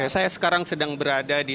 saya sekarang sedang berada di